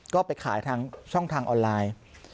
ก็ไปขายทางช่องทางออนไลน์